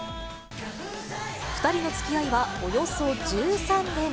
２人のつきあいはおよそ１３年。